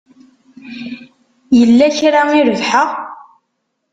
Yell kra i rebḥeɣ?